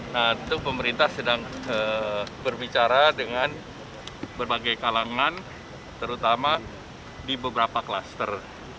nah itu pemerintah sedang berbicara dengan berbagai kalangan terutama di beberapa klaster